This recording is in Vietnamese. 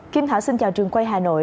kim thảo xin chào trường quay hà nội